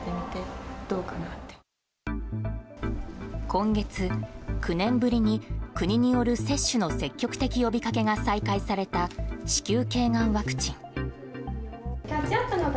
今月、９年ぶりに、国による接種の積極的呼びかけが再開された子宮頸がんワクチン。